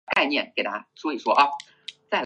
毕业于澳大利亚卧龙岗大学工商管理学专业。